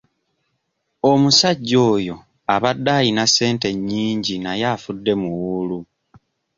Omusajja oyo abadde ayina ssente nnyingi naye afudde muwuulu.